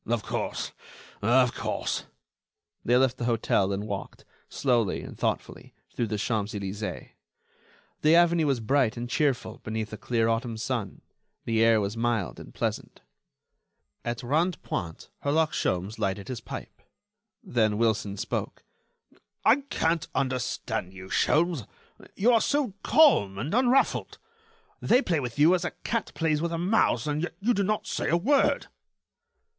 "Of course ... of course." They left the hotel and walked, slowly and thoughtfully, through the Champs Elysées. The avenue was bright and cheerful beneath a clear autumn sun; the air was mild and pleasant. At Rond Point, Herlock Sholmes lighted his pipe. Then Wilson spoke: "I can't understand you, Sholmes. You are so calm and unruffled. They play with you as a cat plays with a mouse, and yet you do not say a word."